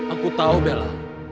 aku tahu bella